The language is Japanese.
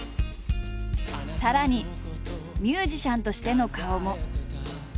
さらにミュージシャンとしての顔も。